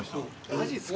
マジっすか。